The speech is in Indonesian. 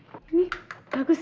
ini bagus ya